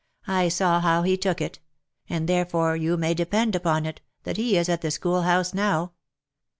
I saw how he took it ; and, therefore, you may depend upon it, that he is at the schoolhouse now.